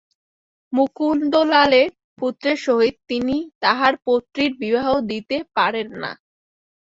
মুকুন্দলালের পুত্রের সহিত তিনি তাঁহার পৌত্রীর বিবাহ দিতে পারেন না।